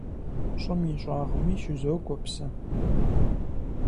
ЩӀым и щӀагъми щызокӀуэ псы.